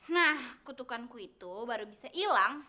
nah kutukanku itu baru bisa hilang